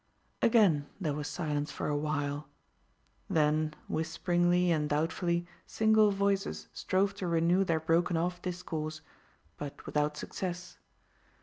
Again there was silence for a while; then whisperingly and doubtfully single voices strove to renew their broken off discourse, but without success.